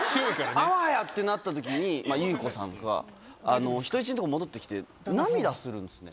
あわや！ってなった時に裕子さんが人質のとこに戻ってきて涙するんですね。